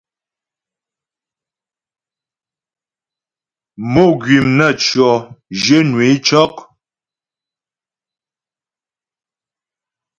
Mò gwìm naə́tʉɔ̂, zhwyə̂nwə é cɔ́'.